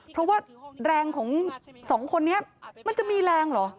เพราะว่าแรงของสองคนนี้มันจะมีแรงเหรอ